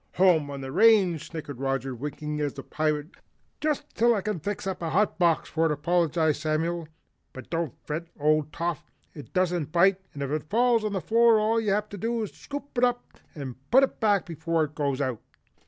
"Home on the range!" snickered Roger, winking at the Pirate. "Just till I can fix up a hot box for it," apologized Samuel, "but don't fret, old Toff, it doesn't bite and if it falls on the floor, all you have to do is scoop it up and put it back before it goes out."